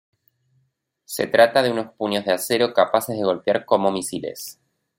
Se trata de unos puños de acero capaces de golpear como misiles.